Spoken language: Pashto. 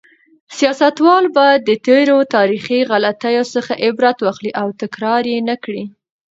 سیاستوال باید د تېرو تاریخي غلطیو څخه عبرت واخلي او تکرار یې نکړي.